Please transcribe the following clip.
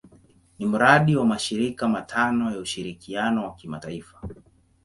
Ni mradi wa mashirika matano ya ushirikiano wa kimataifa.